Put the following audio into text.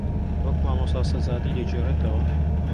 وەک مامۆستا سەجادی دەیگێڕێتەوە